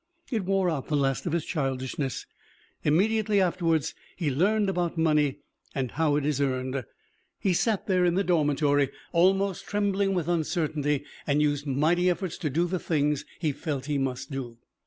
It wore out the last of his childishness. Immediately afterwards he learned about money and how it is earned. He sat there in the dormitory, almost trembling with uncertainty and used mighty efforts to do the things he felt he must do.